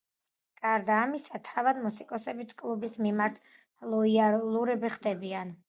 გარდა ამისა თავად მუსიკოსებიც კლუბის მიმართ ლოიალურები ხდებიან.